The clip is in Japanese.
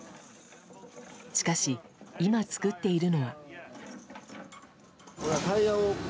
しかし、今作っているのは。